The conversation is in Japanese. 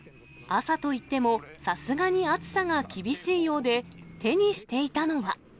朝といってもさすがに暑さが厳しいようで、手にしていたのは。